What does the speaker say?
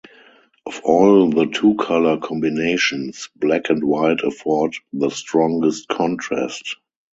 Of all the two-color combinations, black and white afford the strongest contrast.